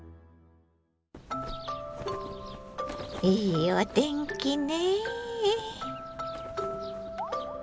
いいお天気ね。